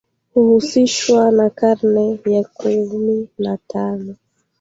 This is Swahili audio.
huhusishwa na karne ya kumi na tano